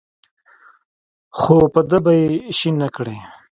خو په ده به یې شین نکړې.